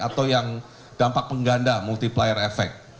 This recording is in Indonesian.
atau yang dampak pengganda multiplier effect